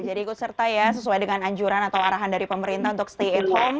jadi ikut serta ya sesuai dengan anjuran atau arahan dari pemerintah untuk stay at home